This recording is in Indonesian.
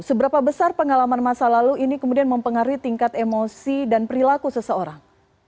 seberapa besar pengalaman masa lalu ini kemudian mempengaruhi tingkat emosi dan perilaku seseorang